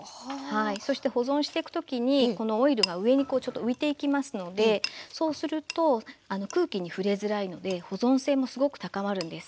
そして保存していく時にこのオイルが上にちょっと浮いていきますのでそうすると空気に触れづらいので保存性もすごく高まるんです。